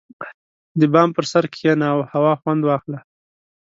• د بام پر سر کښېنه او هوا خوند واخله.